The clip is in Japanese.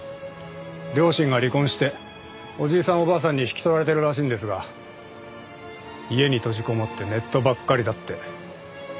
両親が離婚しておじいさんおばあさんに引き取られてるらしいんですが家に閉じこもってネットばっかりだって。